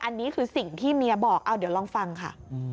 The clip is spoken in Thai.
อันนี้คือสิ่งที่เมียบอกเอาเดี๋ยวลองฟังค่ะ